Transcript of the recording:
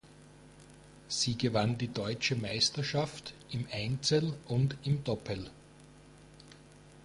Sie gewann die deutsche Meisterschaft im Einzel und im Doppel.